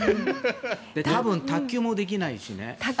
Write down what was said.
多分卓球もできないしね。